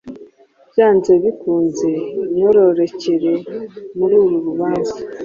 byanze bikunze Imyororokere muri uru rubanza